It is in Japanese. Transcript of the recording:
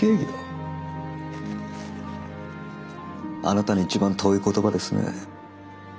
あなたに一番遠い言葉ですね。